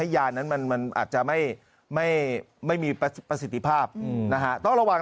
ให้ยานั้นมันมันอาจจะไม่ไม่ไม่มีประสิทธิภาพนะฮะต้องระวัง